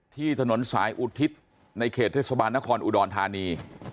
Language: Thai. ที่ถนนสายอุทิศในเขตเทศบาลนครอุดรธานี